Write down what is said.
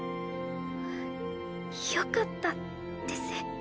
あっよかったです